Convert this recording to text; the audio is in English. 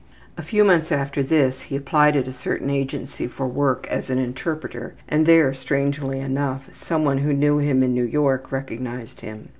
A few months after this he applied at a certain agency for work as an interpreter and there, strangely enough, some one who knew him in New York recognized him.